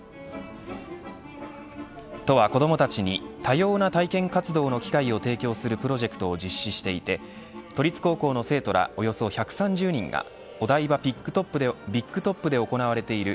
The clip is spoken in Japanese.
都は子どもたちに多様な体験活動の機会を提供するプロジェクトを実施していて、都立高校の生徒らおよそ１３０人がお台場ビッグトップで行われている。